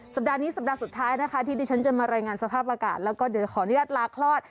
สัปดาห์นี้สัปดาห์สุดท้ายนะคะที่ดิฉันจะมารายงานสภาพอากาศแล้วก็เดี๋ยวขออนุญาตลาคลอด